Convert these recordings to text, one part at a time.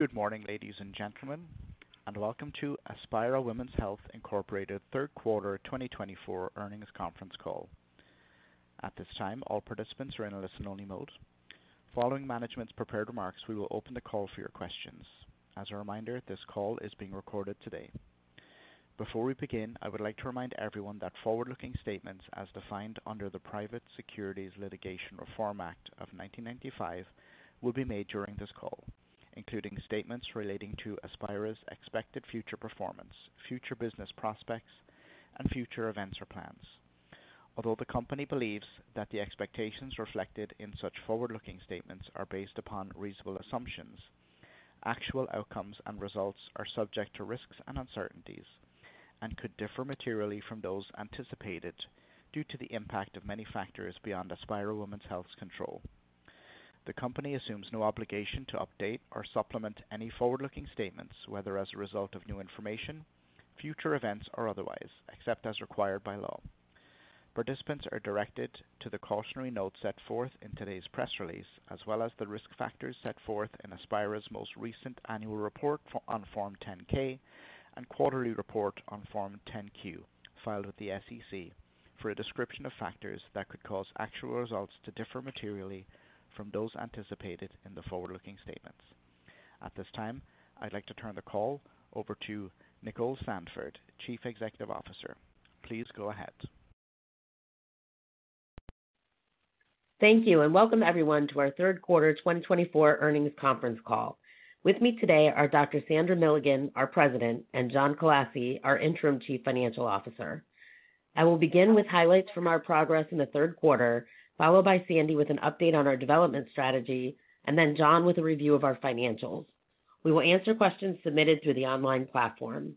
Good morning, ladies and gentlemen, and welcome to Aspira Women's Health Incorporated third quarter 2024 earnings conference call. At this time, all participants are in a listen-only mode. Following management's prepared remarks, we will open the call for your questions. As a reminder, this call is being recorded today. Before we begin, I would like to remind everyone that forward-looking statements as defined under the Private Securities Litigation Reform Act of 1995 will be made during this call, including statements relating to Aspira's expected future performance, future business prospects, and future events or plans. Although the company believes that the expectations reflected in such forward-looking statements are based upon reasonable assumptions, actual outcomes and results are subject to risks and uncertainties, and could differ materially from those anticipated due to the impact of many factors beyond Aspira Women's Health's control. The company assumes no obligation to update or supplement any forward-looking statements, whether as a result of new information, future events, or otherwise, except as required by law. Participants are directed to the cautionary notes set forth in today's press release, as well as the risk factors set forth in Aspira's most recent annual report on Form 10-K and quarterly report on Form 10-Q filed with the SEC for a description of factors that could cause actual results to differ materially from those anticipated in the forward-looking statements. At this time, I'd like to turn the call over to Nicole Sandford, Chief Executive Officer. Please go ahead. Thank you, and welcome everyone to our third quarter 2024 earnings conference call. With me today are Dr. Sandra Milligan, our President, and John Kallassy, our Interim Chief Financial Officer. I will begin with highlights from our progress in the third quarter, followed by Sandy with an update on our development strategy, and then John with a review of our financials. We will answer questions submitted through the online platform.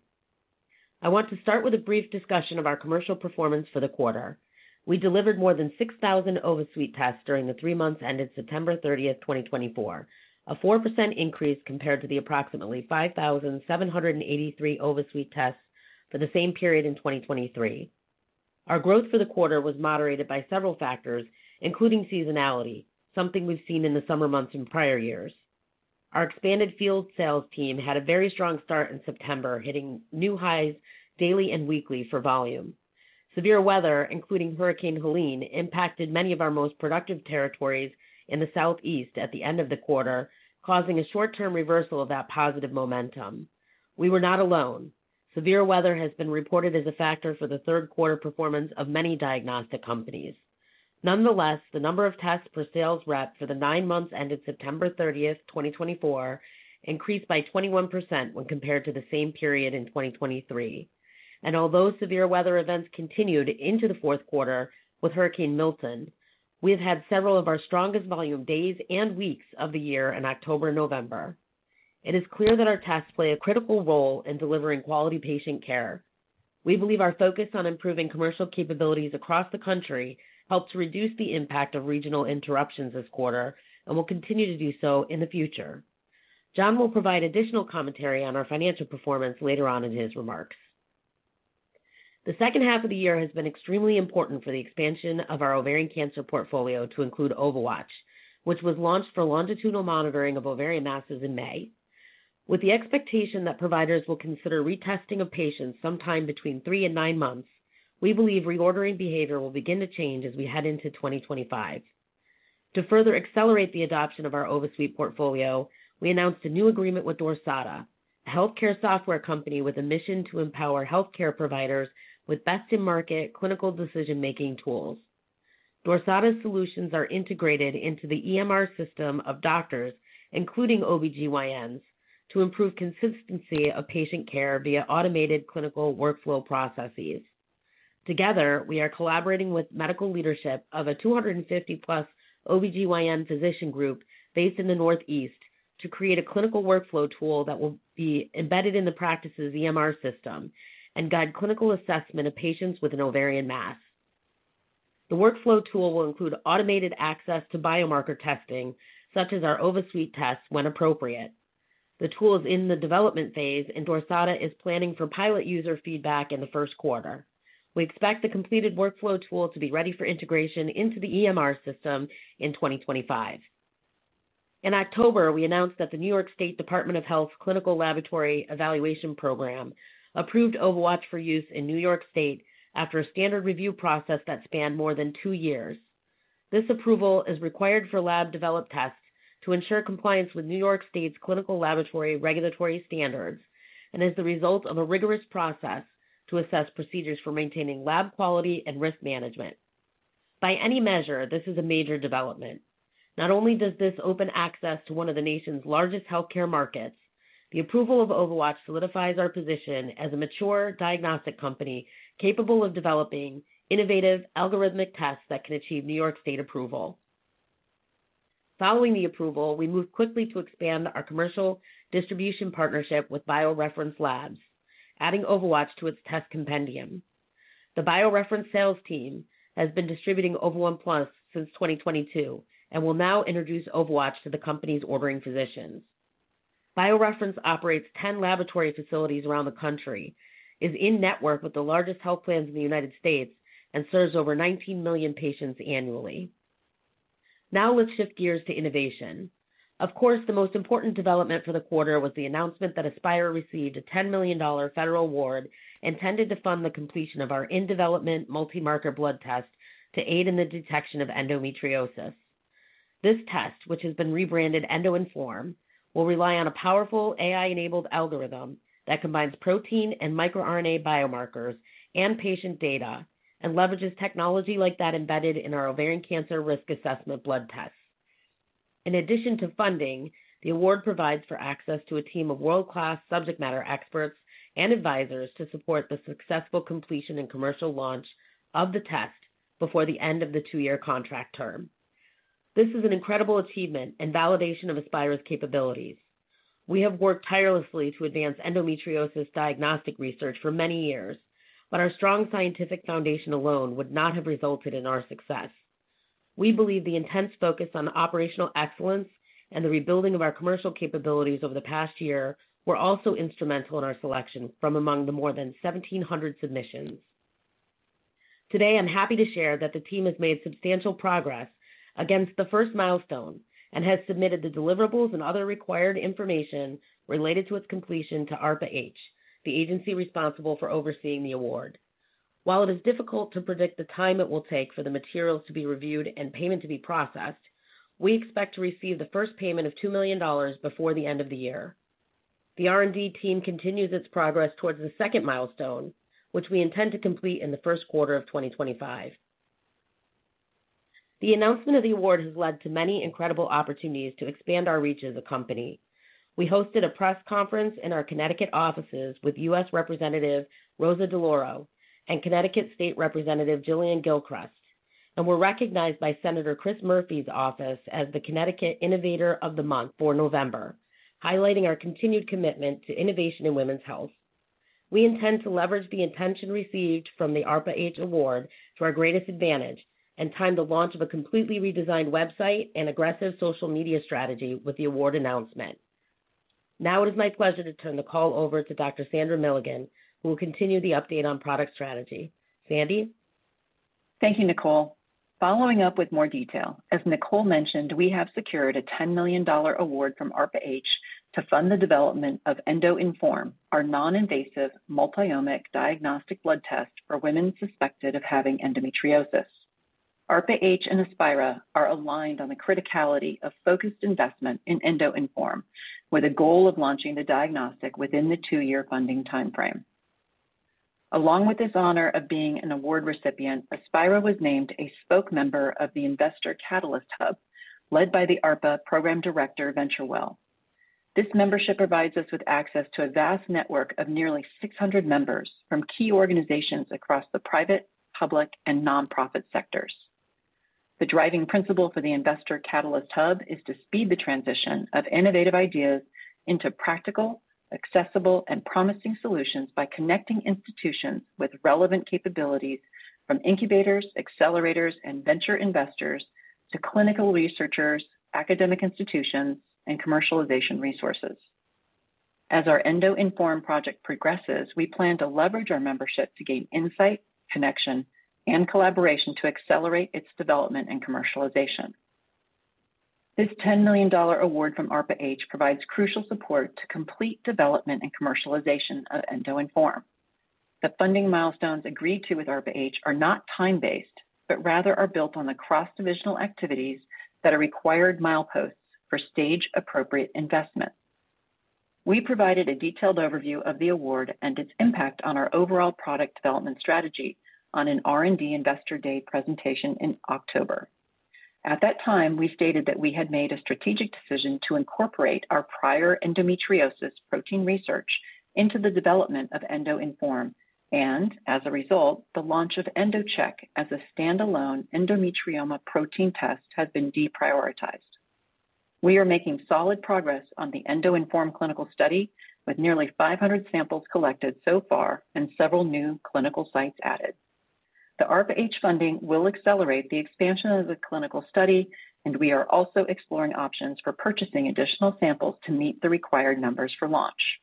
I want to start with a brief discussion of our commercial performance for the quarter. We delivered more than 6,000 OvaSuite tests during the three months ended September 30, 2024, a 4% increase compared to the approximately 5,783 OvaSuite tests for the same period in 2023. Our growth for the quarter was moderated by several factors, including seasonality, something we've seen in the summer months in prior years. Our expanded field sales team had a very strong start in September, hitting new highs daily and weekly for volume. Severe weather, including Hurricane Helene, impacted many of our most productive territories in the southeast at the end of the quarter, causing a short-term reversal of that positive momentum. We were not alone. Severe weather has been reported as a factor for the third quarter performance of many diagnostic companies. Nonetheless, the number of tests per sales rep for the nine months ended September 30th, 2024, increased by 21% when compared to the same period in 2023. And although severe weather events continued into the fourth quarter with Hurricane Milton, we have had several of our strongest volume days and weeks of the year in October and November. It is clear that our tests play a critical role in delivering quality patient care. We believe our focus on improving commercial capabilities across the country helped to reduce the impact of regional interruptions this quarter and will continue to do so in the future. John will provide additional commentary on our financial performance later on in his remarks. The second half of the year has been extremely important for the expansion of our ovarian cancer portfolio to include OvaWatch, which was launched for longitudinal monitoring of ovarian masses in May. With the expectation that providers will consider retesting of patients sometime between three and nine months, we believe reordering behavior will begin to change as we head into 2025. To further accelerate the adoption of our OvaSuite portfolio, we announced a new agreement with Dorsata, a healthcare software company with a mission to empower healthcare providers with best-in-market clinical decision-making tools. Dorsata's solutions are integrated into the EMR system of doctors, including OB-GYNs, to improve consistency of patient care via automated clinical workflow processes. Together, we are collaborating with medical leadership of a 250+ OB-GYN physician group based in the northeast to create a clinical workflow tool that will be embedded in the practice's EMR system and guide clinical assessment of patients with an ovarian mass. The workflow tool will include automated access to biomarker testing, such as our OvaSuite tests when appropriate. The tool is in the development phase, and Dorsata is planning for pilot user feedback in the first quarter. We expect the completed workflow tool to be ready for integration into the EMR system in 2025. In October, we announced that the New York State Department of Health Clinical Laboratory Evaluation Program approved OvaWatch for use in New York State after a standard review process that spanned more than two years. This approval is required for lab-developed tests to ensure compliance with New York State's clinical laboratory regulatory standards and is the result of a rigorous process to assess procedures for maintaining lab quality and risk management. By any measure, this is a major development. Not only does this open access to one of the nation's largest healthcare markets, the approval of OvaWatch solidifies our position as a mature diagnostic company capable of developing innovative algorithmic tests that can achieve New York State approval. Following the approval, we moved quickly to expand our commercial distribution partnership with BioReference Labs, adding OvaWatch to its test compendium. The BioReference sales team has been distributing Ova1Plus since 2022 and will now introduce OvaWatch to the company's ordering physicians. BioReference operates 10 laboratory facilities around the country, is in network with the largest health plans in the United States, and serves over 19 million patients annually. Now let's shift gears to innovation. Of course, the most important development for the quarter was the announcement that Aspira received a $10 million federal award intended to fund the completion of our in-development multi-marker blood test to aid in the detection of endometriosis. This test, which has been rebranded EndoInform, will rely on a powerful AI-enabled algorithm that combines protein and microRNA biomarkers and patient data and leverages technology like that embedded in our ovarian cancer risk assessment blood tests. In addition to funding, the award provides for access to a team of world-class subject matter experts and advisors to support the successful completion and commercial launch of the test before the end of the two-year contract term. This is an incredible achievement and validation of Aspira's capabilities. We have worked tirelessly to advance endometriosis diagnostic research for many years, but our strong scientific foundation alone would not have resulted in our success. We believe the intense focus on operational excellence and the rebuilding of our commercial capabilities over the past year were also instrumental in our selection from among the more than 1,700 submissions. Today, I'm happy to share that the team has made substantial progress against the first milestone and has submitted the deliverables and other required information related to its completion to ARPA-H, the agency responsible for overseeing the award. While it is difficult to predict the time it will take for the materials to be reviewed and payment to be processed, we expect to receive the first payment of $2 million before the end of the year. The R&D team continues its progress towards the second milestone, which we intend to complete in the first quarter of 2025. The announcement of the award has led to many incredible opportunities to expand our reach as a company. We hosted a press conference in our Connecticut offices with U.S. Representative Rosa DeLauro and Connecticut State Representative Jillian Gilchrest, and were recognized by Senator Chris Murphy's office as the Connecticut Innovator of the Month for November, highlighting our continued commitment to innovation in women's health. We intend to leverage the attention received from the ARPA-H award to our greatest advantage and time the launch of a completely redesigned website and aggressive social media strategy with the award announcement. Now it is my pleasure to turn the call over to Dr. Sandra Milligan, who will continue the update on product strategy. Sandy? Thank you, Nicole. Following up with more detail, as Nicole mentioned, we have secured a $10 million award from ARPA-H to fund the development of EndoInform, our non-invasive multi-omic diagnostic blood test for women suspected of having endometriosis. ARPA-H and Aspira are aligned on the criticality of focused investment in EndoInform, with a goal of launching the diagnostic within the two-year funding timeframe. Along with this honor of being an award recipient, Aspira was named a spoke member of the Investor Catalyst Hub, led by the ARPA Program Director, VentureWell. This membership provides us with access to a vast network of nearly 600 members from key organizations across the private, public, and nonprofit sectors. The driving principle for the Investor Catalyst Hub is to speed the transition of innovative ideas into practical, accessible, and promising solutions by connecting institutions with relevant capabilities from incubators, accelerators, and venture investors to clinical researchers, academic institutions, and commercialization resources. As our EndoInform project progresses, we plan to leverage our membership to gain insight, connection, and collaboration to accelerate its development and commercialization. This $10 million award from ARPA-H provides crucial support to complete development and commercialization of EndoInform. The funding milestones agreed to with ARPA-H are not time-based, but rather are built on the cross-divisional activities that are required mileposts for stage-appropriate investment. We provided a detailed overview of the award and its impact on our overall product development strategy on an R&D Investor Day presentation in October. At that time, we stated that we had made a strategic decision to incorporate our prior endometriosis protein research into the development of EndoInform, and as a result, the launch of EndoCheck as a standalone endometrioma protein test has been deprioritized. We are making solid progress on the EndoInform clinical study with nearly 500 samples collected so far and several new clinical sites added. The ARPA-H funding will accelerate the expansion of the clinical study, and we are also exploring options for purchasing additional samples to meet the required numbers for launch.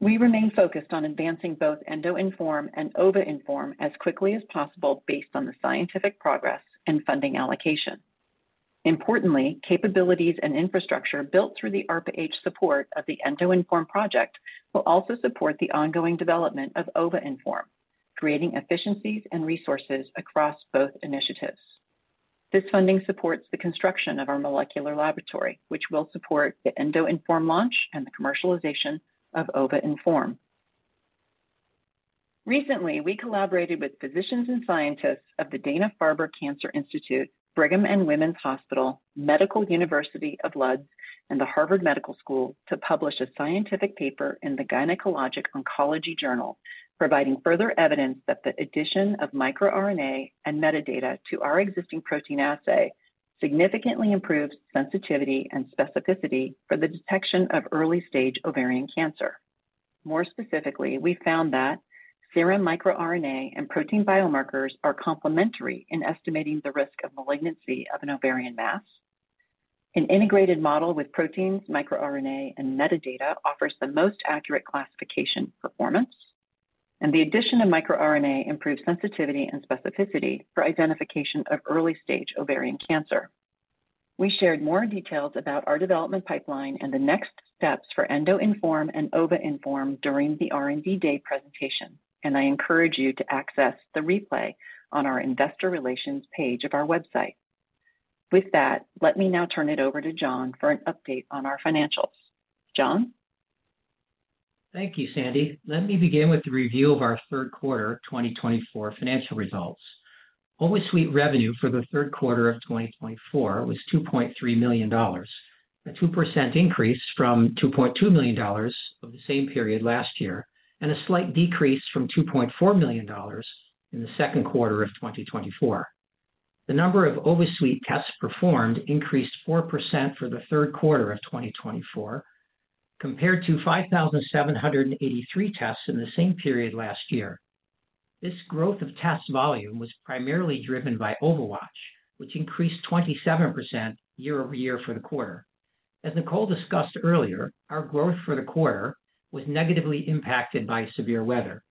We remain focused on advancing both EndoInform and Ovainform as quickly as possible based on the scientific progress and funding allocation. Importantly, capabilities and infrastructure built through the ARPA-H support of the EndoInform project will also support the ongoing development of Ovainform, creating efficiencies and resources across both initiatives. This funding supports the construction of our molecular laboratory, which will support the EndoInform launch and the commercialization of Ovainform. Recently, we collaborated with physicians and scientists of the Dana-Farber Cancer Institute, Brigham and Women's Hospital, Medical University of Lodz, and the Harvard Medical School to publish a scientific paper in the Gynecologic Oncology Journal, providing further evidence that the addition of microRNA and metadata to our existing protein assay significantly improves sensitivity and specificity for the detection of early-stage ovarian cancer. More specifically, we found that serum microRNA and protein biomarkers are complementary in estimating the risk of malignancy of an ovarian mass. An integrated model with proteins, microRNA, and metadata offers the most accurate classification performance, and the addition of microRNA improves sensitivity and specificity for identification of early-stage ovarian cancer. We shared more details about our development pipeline and the next steps for EndoInform and Ovainform during the R&D Day presentation, and I encourage you to access the replay on our Investor Relations page of our website. With that, let me now turn it over to John for an update on our financials. John? Thank you, Sandy. Let me begin with the review of our third quarter 2024 financial results. OvaSuite revenue for the third quarter of 2024 was $2.3 million, a 2% increase from $2.2 million of the same period last year and a slight decrease from $2.4 million in the second quarter of 2024. The number of OvaSuite tests performed increased 4% for the third quarter of 2024 compared to 5,783 tests in the same period last year. This growth of test volume was primarily driven by OvaWatch, which increased 27% year-over-year for the quarter. As Nicole discussed earlier, our growth for the quarter was negatively impacted by severe weather,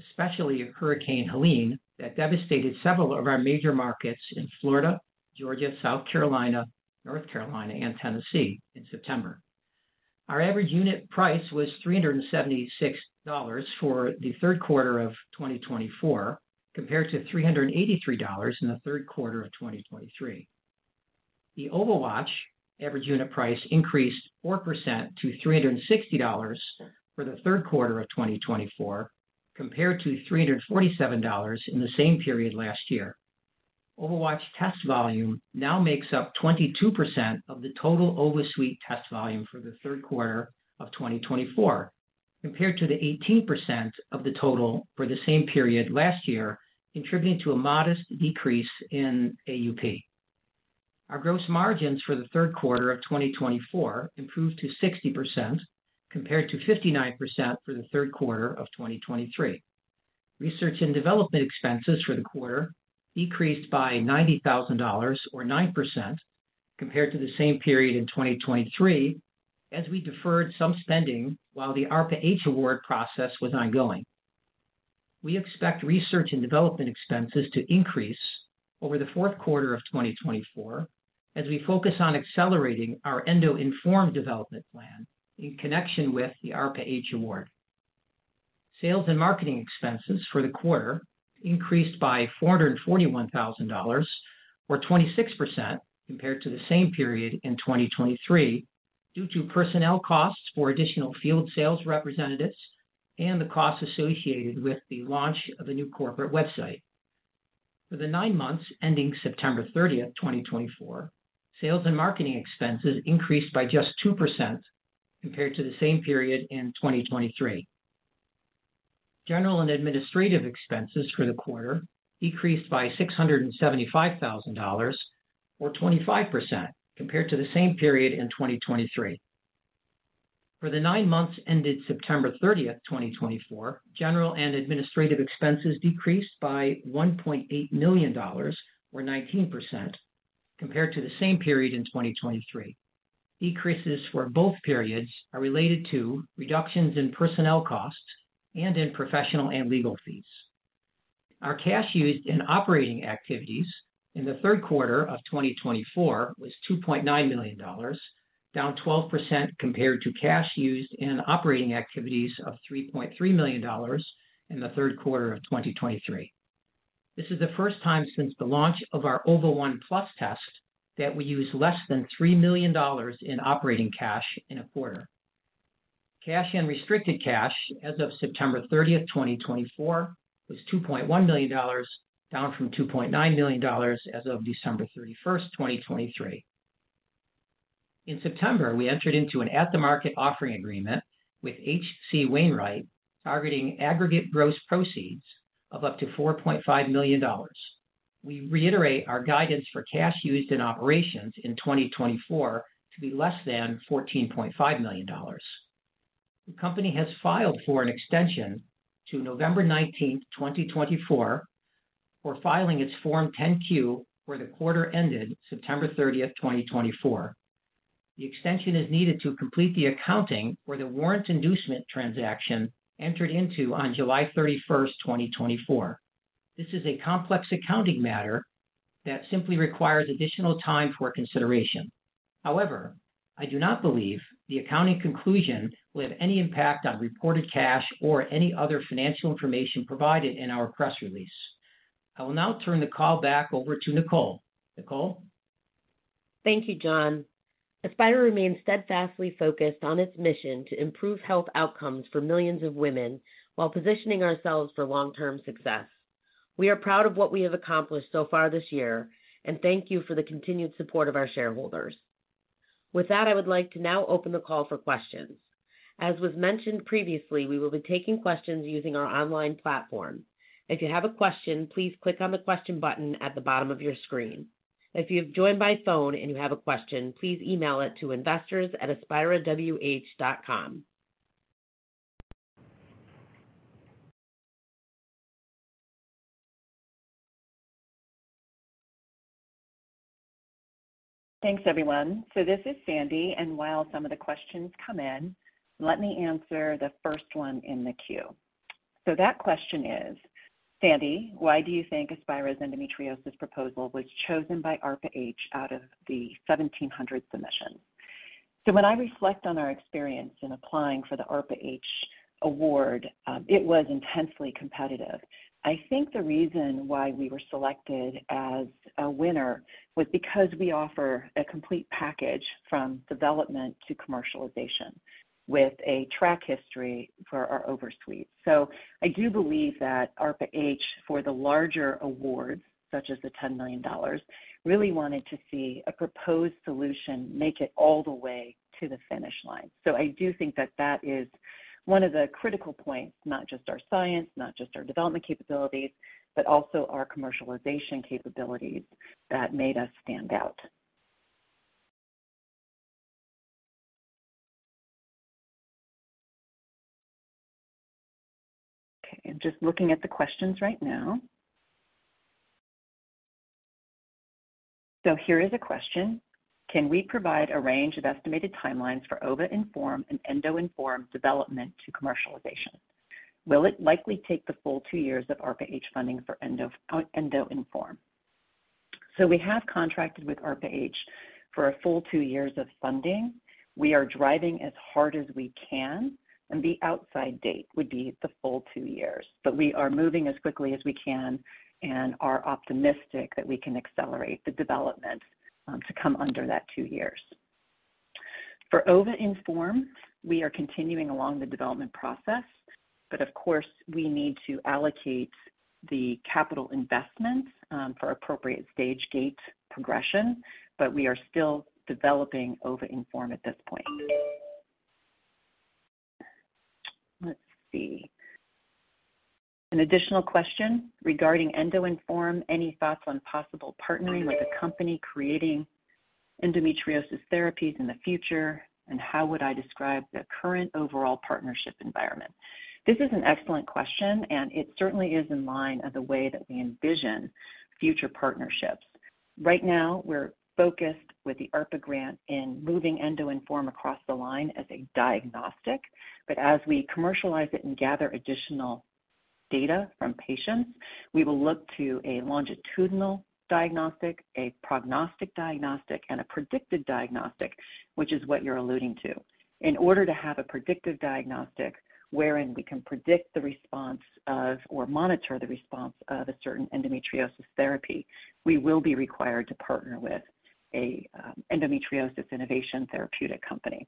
especially Hurricane Helene that devastated several of our major markets in Florida, Georgia, South Carolina, North Carolina, and Tennessee in September. Our average unit price was $376 for the third quarter of 2024 compared to $383 in the third quarter of 2023. The OvaWatch average unit price increased 4% to $360 for the third quarter of 2024 compared to $347 in the same period last year. OvaWatch test volume now makes up 22% of the total OvaSuite test volume for the third quarter of 2024 compared to the 18% of the total for the same period last year, contributing to a modest decrease in AUP. Our gross margins for the third quarter of 2024 improved to 60% compared to 59% for the third quarter of 2023. Research and development expenses for the quarter decreased by $90,000 or 9% compared to the same period in 2023 as we deferred some spending while the ARPA-H award process was ongoing. We expect research and development expenses to increase over the fourth quarter of 2024 as we focus on accelerating our EndoInform development plan in connection with the ARPA-H award. Sales and marketing expenses for the quarter increased by $441,000 or 26% compared to the same period in 2023 due to personnel costs for additional field sales representatives and the costs associated with the launch of a new corporate website. For the nine months ending September 30th, 2024, sales and marketing expenses increased by just 2% compared to the same period in 2023. General and administrative expenses for the quarter decreased by $675,000 or 25% compared to the same period in 2023. For the nine months ended September 30th, 2024, general and administrative expenses decreased by $1.8 million or 19% compared to the same period in 2023. Decreases for both periods are related to reductions in personnel costs and in professional and legal fees. Our cash used in operating activities in the third quarter of 2024 was $2.9 million, down 12% compared to cash used in operating activities of $3.3 million in the third quarter of 2023. This is the first time since the launch of our Ova1Plus test that we used less than $3 million in operating cash in a quarter. Cash and restricted cash as of September 30th, 2024, was $2.1 million, down from $2.9 million as of December 31st, 2023. In September, we entered into an at-the-market offering agreement with H.C. Wainwright targeting aggregate gross proceeds of up to $4.5 million. We reiterate our guidance for cash used in operations in 2024 to be less than $14.5 million. The company has filed for an extension to November 19th, 2024, for filing its Form 10-Q for the quarter ended September 30th, 2024. The extension is needed to complete the accounting for the warrant inducement transaction entered into on July 31st, 2024. This is a complex accounting matter that simply requires additional time for consideration. However, I do not believe the accounting conclusion will have any impact on reported cash or any other financial information provided in our press release. I will now turn the call back over to Nicole. Nicole? Thank you, John. Aspira remains steadfastly focused on its mission to improve health outcomes for millions of women while positioning ourselves for long-term success. We are proud of what we have accomplished so far this year, and thank you for the continued support of our shareholders. With that, I would like to now open the call for questions. As was mentioned previously, we will be taking questions using our online platform. If you have a question, please click on the question button at the bottom of your screen. If you have joined by phone and you have a question, please email it to investors@aspirawh.com. Thanks, everyone, so this is Sandy, and while some of the questions come in, let me answer the first one in the queue, so that question is, "Sandy, why do you think Aspira's endometriosis proposal was chosen by ARPA-H out of the 1,700 submissions?" so when I reflect on our experience in applying for the ARPA-H award, it was intensely competitive. I think the reason why we were selected as a winner was because we offer a complete package from development to commercialization with a track history for our OvaSuite. So I do believe that ARPA-H, for the larger awards, such as the $10 million, really wanted to see a proposed solution make it all the way to the finish line. So I do think that that is one of the critical points, not just our science, not just our development capabilities, but also our commercialization capabilities that made us stand out. Okay, I'm just looking at the questions right now. So here is a question. "Can we provide a range of estimated timelines for Ovainform and EndoInform development to commercialization? Will it likely take the full two years of ARPA-H funding for EndoInform?" So we have contracted with ARPA-H for a full two years of funding. We are driving as hard as we can, and the outside date would be the full two years, but we are moving as quickly as we can and are optimistic that we can accelerate the development to come under that two years. For Ovainform, we are continuing along the development process, but of course, we need to allocate the capital investment for appropriate stage gate progression, but we are still developing Ovainform at this point. Let's see. An additional question regarding EndoInform, "Any thoughts on possible partnering with a company creating endometriosis therapies in the future, and how would I describe the current overall partnership environment?" This is an excellent question, and it certainly is in line with the way that we envision future partnerships. Right now, we're focused with the ARPA-H grant in moving EndoInform across the line as a diagnostic, but as we commercialize it and gather additional data from patients, we will look to a longitudinal diagnostic, a prognostic diagnostic, and a predictive diagnostic, which is what you're alluding to. In order to have a predictive diagnostic wherein we can predict the response of or monitor the response of a certain endometriosis therapy, we will be required to partner with an endometriosis innovation therapeutic company.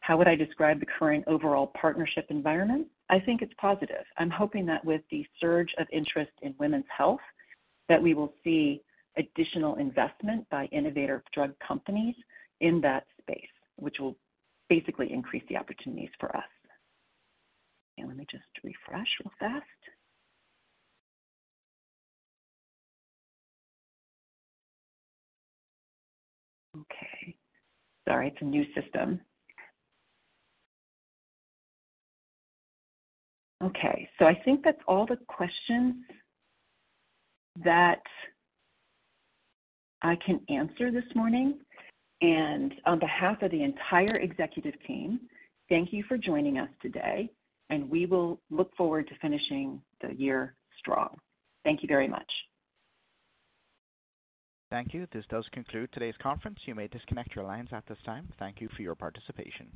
How would I describe the current overall partnership environment? I think it's positive. I'm hoping that with the surge of interest in women's health, that we will see additional investment by innovative drug companies in that space, which will basically increase the opportunities for us. Okay, let me just refresh real fast. Okay. Sorry, it's a new system. Okay, so I think that's all the questions that I can answer this morning, and on behalf of the entire executive team, thank you for joining us today, and we will look forward to finishing the year strong. Thank you very much. Thank you. This does conclude today's conference. You may disconnect your lines at this time. Thank you for your participation.